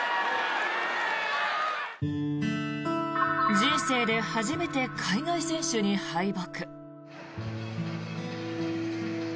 人生で初めて海外選手に敗北。